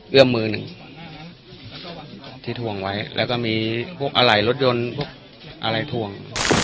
มือหนึ่งที่ทวงไว้แล้วก็มีพวกอะไรรถยนต์พวกอะไรทวง